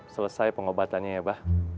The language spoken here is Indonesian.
selesai pengobatannya ya ba